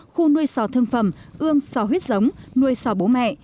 khu nuôi sỏ thương phẩm ươm sỏ huyết giống nuôi sỏ bố mẹ